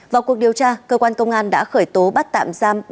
vào cuộc điều tra cơ quan công an đã khởi tố bắt tạm giam